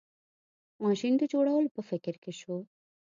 ماشین د جوړولو په فکر کې شو.